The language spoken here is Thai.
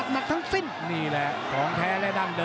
โอ้โหโอ้โหโอ้โหโอ้โหโอ้โหโอ้โห